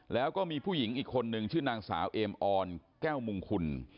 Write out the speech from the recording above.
แล้วก็มีผู้หญิงอีกคนนึงชื่อนางสาวเอมออนแก้วมงคุณ